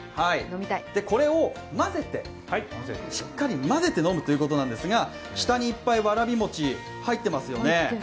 これを混ぜて、しっかり混ぜて飲むということなんですが下にいっぱい、わらび餅入ってますよね。